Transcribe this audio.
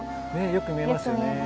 ねえよく見えますね。